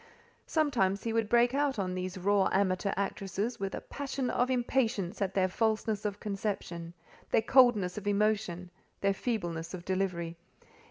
Sometimes he would break out on these raw amateur actresses with a passion of impatience at their falseness of conception, their coldness of emotion, their feebleness of delivery.